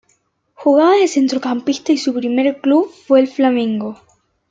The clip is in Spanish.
Jugaba de centrocampista y su primer club fue el Flamengo.